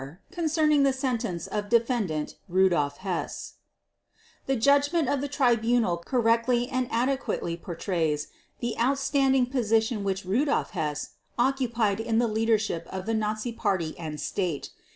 Concerning the Sentence of the Defendant Rudolf Hess The Judgment of the Tribunal correctly and adequately portrays the outstanding position which Rudolf Hess occupied in the leadership of the Nazi Party and State.